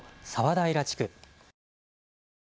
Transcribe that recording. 平地区。